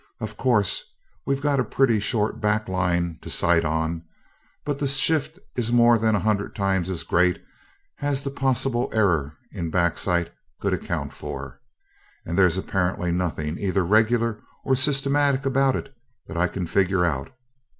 Of course, we've got a pretty short back line to sight on, but the shift is more than a hundred times as great as the possible error in backsight could account for, and there's apparently nothing either regular or systematic about it that I can figure out.